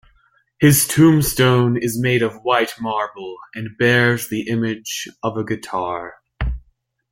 His tombstone is made of white marble and bears the image of a guitar.